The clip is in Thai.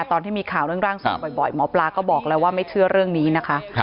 ตอนที่มีข่าวเรื่องร่างทรงบ่อยหมอปลาก็บอกแล้วว่าไม่เชื่อเรื่องนี้นะคะ